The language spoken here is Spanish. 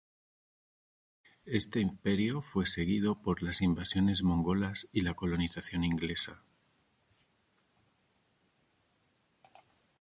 Este imperio fue seguido por las invasiones mongolas y la colonización inglesa.